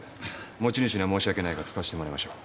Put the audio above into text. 持ち主には申し訳ないが使わせてもらいましょう。